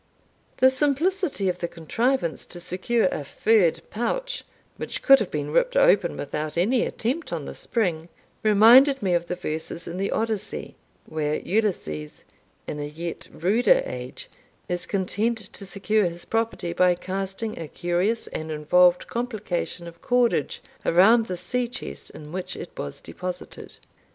The simplicity of the contrivance to secure a furred pouch, which could have been ripped open without any attempt on the spring, reminded me of the verses in the Odyssey, where Ulysses, in a yet ruder age, is content to secure his property by casting a curious and involved complication of cordage around the sea chest in which it was deposited.